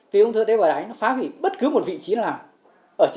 vì ung thư tế bào đáy nó phá vị bất cứ một vị trí nào